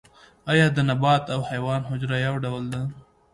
ایا د نبات او حیوان حجره یو ډول ده